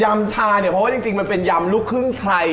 ยำชาเพราะว่าจริงเป็นยำลูกครึ่งไทย